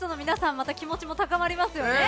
また気持ちも高まりますよね。